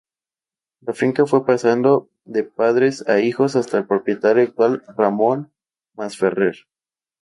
La finca fue pasando de padres a hijos hasta el propietario actual, Ramon Masferrer.